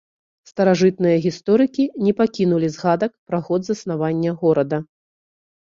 Старажытныя гісторыкі не пакінулі згадак пра год заснавання горада.